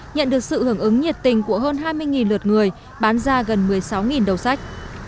nhận được sự hưởng ứng nhiệt tình của hơn hai mươi lượt người bán ra gần một mươi sáu đầu sách